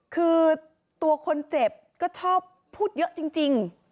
คือตัวคนเจ็บก็ชอบพูดเยอะจริง